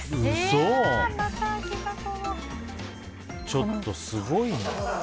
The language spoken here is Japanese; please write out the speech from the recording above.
ちょっと、すごいな。